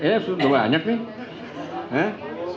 ya sudah banyak nih